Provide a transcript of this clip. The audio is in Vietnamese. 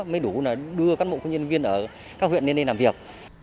mới đủ đưa cán bộ công nhân viên ở các huyện lên đây làm việc